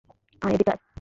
আয়, এদিকে আয়।